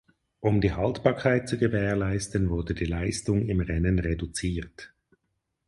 Um die Haltbarkeit zu gewährleisten wurde die Leistung im Rennen reduziert.